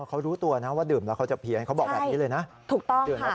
เขารู้ตัวนะว่าดื่มแล้วเขาจะเพี้ยนเขาบอกแบบนี้เลยนะถูกต้องดื่มแล้ว